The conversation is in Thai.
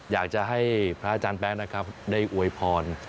อยากจะให้พระอาจารย์แป๊ะนะครับได้อวยพร